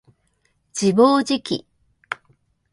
自暴自棄